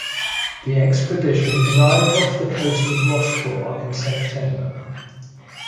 The expedition arrived off the coast of Rochefort in September.